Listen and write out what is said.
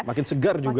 makin segar juga